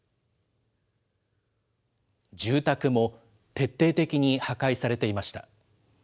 住宅も徹底的に破壊されていました。